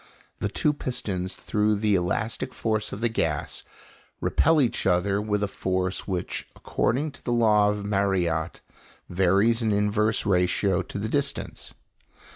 The two pistons, through the elastic force of the gas, repel each other with a force which, according to the law of Mariotte, varies in inverse ratio to the distance.